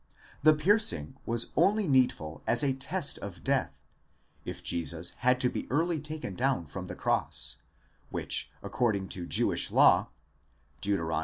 The piercing was only needful as a test of death, if Jesus had to be early taken down from the cross, which according to Jewish law (Deut.